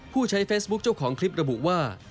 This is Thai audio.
ผู้ใช้เฟซบุ๊คเจ้าของคลิประบุว่า